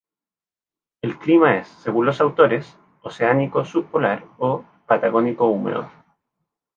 El clima es, según los autores, oceánico subpolar o "patagónico húmedo".